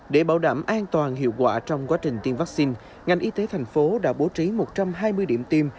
để bảo đảm an toàn hiệu quả trong quá trình tiêm vaccine ngành y tế thành phố đã bố trí một trăm hai mươi điểm tiêm